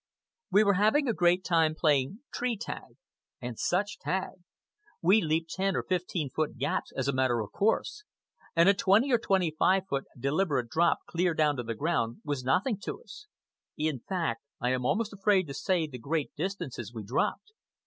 We were having a great time playing tree tag. And such tag! We leaped ten or fifteen foot gaps as a matter of course. And a twenty or twenty five foot deliberate drop clear down to the ground was nothing to us. In fact, I am almost afraid to say the great distances we dropped.